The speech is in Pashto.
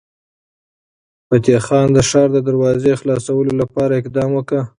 فتح خان د ښار د دروازې خلاصولو لپاره اقدام وکړ.